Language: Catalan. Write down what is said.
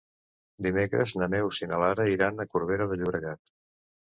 Dimecres na Neus i na Laia iran a Corbera de Llobregat.